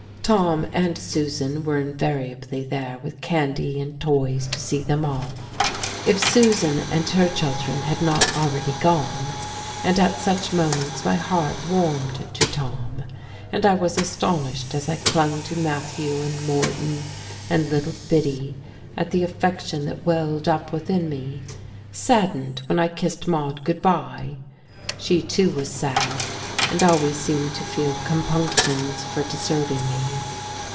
Tom and Susan were invariably there with candy and toys to see them off if Susan and her children had not already gone and at such moments my heart warmed to Tom. And I was astonished as I clung to Matthew and Moreton and little Biddy at the affection that welled up within me, saddened when I kissed Maude good bye. She too was sad, and always seemed to feel compunctions for deserting me.